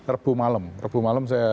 rabu malam rabu malam